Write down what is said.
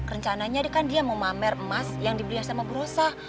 rencananya dia kan mau mamer emas yang dibeliin sama brosa